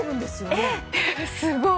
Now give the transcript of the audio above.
ええっすごい。